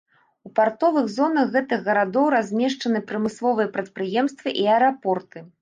У партовых зонах гэтых гарадоў размешчаны прамысловыя прадпрыемствы і аэрапорты.